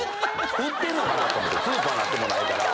売ってんのかな？と思ってスーパー行ってもないから。